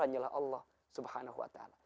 hanyalah allah subhanahu wa ta'ala